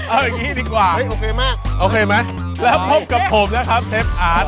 เอาอย่างนี้ดีกว่าโอเคมั้ยแล้วพบกับผมนะครับเทปอาร์ต